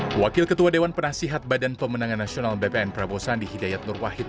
hai wakil ketua dewan penasihat badan pemenangan nasional bpn prabowo sandi hidayat nurwahid